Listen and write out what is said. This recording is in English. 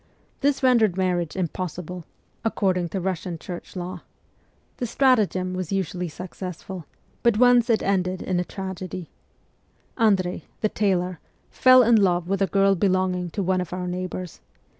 This rendered marriage impossible, 62 MEMOIRS OF A REVOLUTIONIST according to Russian Church law. The stratagem was usually successful, but once it ended in a tragedy. Andrei, the tailor, fell in love with a girl belonging to one of our neighbours.